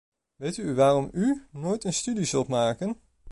Weet u waarom u nooit een studie zult maken?